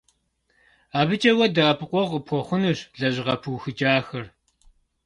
АбыкӀэ уэ дэӀэпыкъуэгъу къыпхуэхъунущ лэжьыгъэ пыухыкӀахэр.